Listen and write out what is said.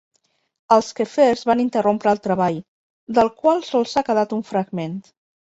Els quefers van interrompre el treball, del qual sols ha quedat un fragment.